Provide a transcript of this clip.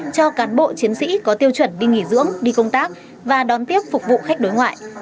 cho cán bộ chiến sĩ có tiêu chuẩn đi nghỉ dưỡng đi công tác và đón tiếp phục vụ khách đối ngoại